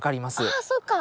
あそうか！